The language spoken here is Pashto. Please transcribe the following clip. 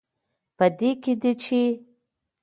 په دې کې دی، چې